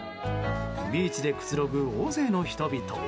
ビーチでくつろぐ大勢の人々。